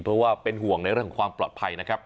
เพราะว่าเป็นห่วงในเรื่องความปลอดภัยนะครับ